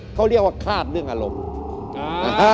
เขาเรียกว่าคาดเรื่องอารมณ์